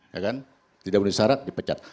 ya kan tidak memenuhi syarat dipecat